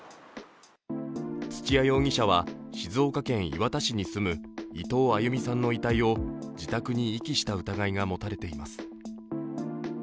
土屋容疑者は静岡県磐田市に住む伊藤亜佑美さんの遺体を自宅に遺棄した疑いが持たれています。